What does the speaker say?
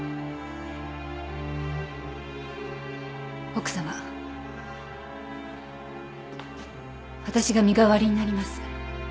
奥様私が身代わりになります。